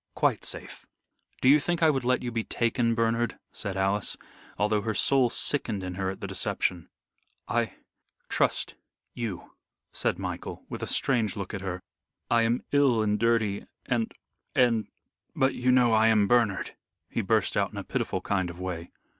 "Quite safe. Do you think I would let you be taken, Bernard?" said Alice, although her soul sickened in her at the deception. "I trust you," said Michael, with a strange look at her. "I am ill and dirty, and and but you know I am Bernard," he burst out in a pitiful kind of way.